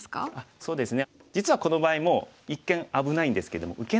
そうですね。